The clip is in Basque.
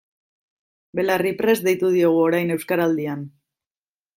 Belarriprest deitu diogu orain Euskaraldian.